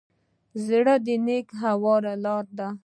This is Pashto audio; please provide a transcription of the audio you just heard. زړه د نېکۍ هواره لاره ده.